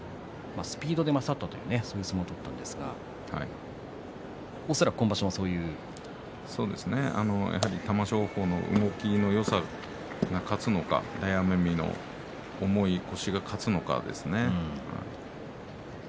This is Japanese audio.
スピードで勝ったという相撲を取ったんですが玉正鳳の動きのよさが勝つのか大奄美の重い腰が勝つのかですね。